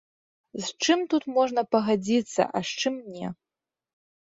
З чым тут можна пагадзіцца, а з чым не?